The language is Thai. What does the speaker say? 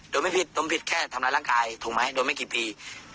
ดมไม่ผิดดมผิดแค่ทำร้ายร่างกายธุงมั้ยดมไม่กี่ปี